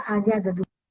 a nya ada dua